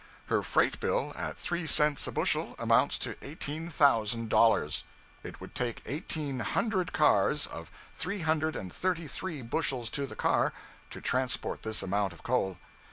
Her freight bill, at 3 cents a bushel, amounts to $18,000. It would take eighteen hundred cars, of three hundred and thirty three bushels to the car, to transport this amount of coal.